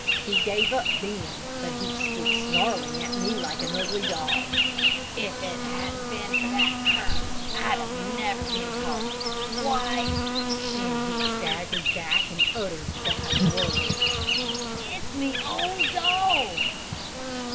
He gave up then, but he stood snarling at me like an ugly dog. "If it hadn't been for that cur, I'd never a been caught. Why ," and he staggered back and uttered a bad word, "it's me own dog."